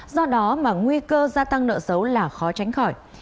do đó mà nguy cơ gia tăng nợ xấu là khó tránh khỏi